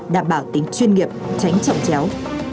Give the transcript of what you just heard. đảm bảo tính chuyên nghiệp tránh trọng chéo